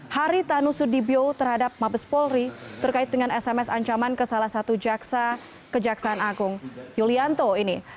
haritanu sudibyo terhadap mabes polri terkait dengan sms ancaman ke salah satu kejaksaan agung yulianto ini